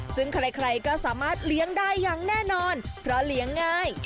ซึ่งใครก็สามารถเลี้ยงได้อย่างแน่นอนเพราะเลี้ยงง่าย